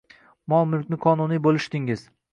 Mol-mulkni qonuniy bo’lishdingiz.